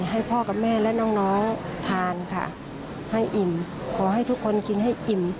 ให้พ่อกับแม่และน้องทานค่ะให้อิ่มขอให้ทุกคนกินให้อิ่ม